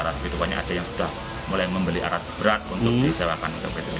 ada yang sudah mulai membeli arat berat untuk disewakan